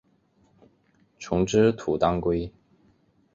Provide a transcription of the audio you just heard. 丛枝土当归